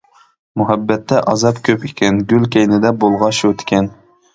مۇھەببەتتە ئازاب كۆپ ئىكەن، گۈل كەينىدە بولغاچ شۇ تىكەن.